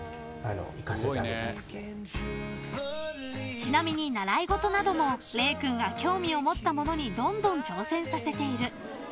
［ちなみに習い事などもれい君が興味を持ったものにどんどん挑戦させている］